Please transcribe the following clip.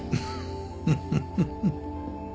フフフフ